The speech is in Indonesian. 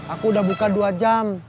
aku udah buka dua jam